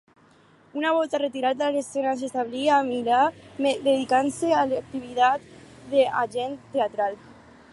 Una volta retirat de l'escena s'establí a Milà, dedicant-se a l'activitat d'agent teatral.